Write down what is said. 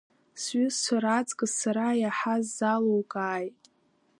Сҩызцәа раҵкыс сара иаҳа сзалукааи?